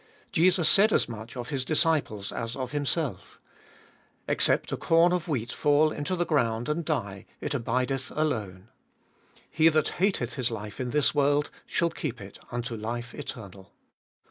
Jesus said as much of His disciples as of Him self: Except a corn of wheat fall into the ground, and die, it abideth alone. He that hateth his life in this world shall keep it unto life eternal.